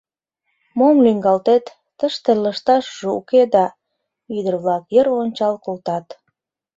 — Мом лӱҥгалтет, тыште лышташыжат уке да! — ӱдыр-влак йыр ончал колтат.